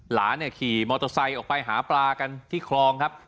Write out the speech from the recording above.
หลานเนี่ยขี่มอเตอร์ไซค์ออกไปหาปลากันที่คลองครับ